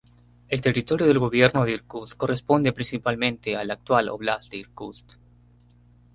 El territorio del gobierno de Irkutsk corresponde principalmente a la actual óblast de Irkutsk.